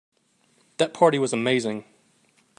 That party was amazing.